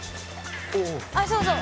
あっそうそう